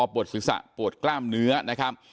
ปวดศีรษะปวดกล้ามเนื้อนะครับ